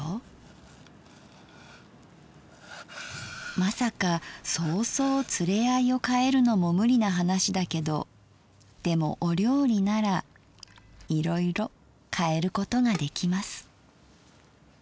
まさかそうそう連れ合いをかえるのも無理な話だけどでもお料理ならいろいろ変えることができます」。